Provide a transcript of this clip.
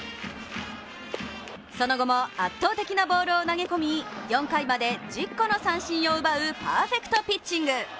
その後も圧倒的なボールを投げ込み４回まで１０個の三振を奪うパーフェクトピッチング。